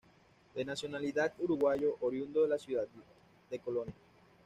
De nacionalidad uruguayo, oriundo de la ciudad de Colonia.